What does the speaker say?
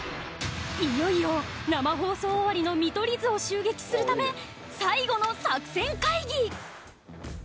いよいよ生放送終わりの見取り図を襲撃するため最後の作戦会議